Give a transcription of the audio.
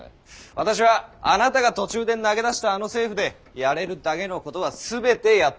私はあなたが途中で投げ出したあの政府でやれるだけのことは全てやったという自負があります。